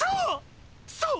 そう！